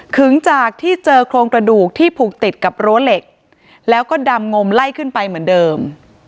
ถึงจากที่เจอโครงกระดูกที่ผูกติดกับรั้วเหล็กแล้วก็ดำงมไล่ขึ้นไปเหมือนเดิม